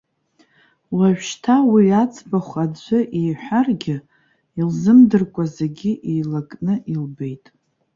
Уажәшьҭа уи аӡбахә аӡәы иҳәаргьы, илзымдыркәа зегьы еилакны илбеит.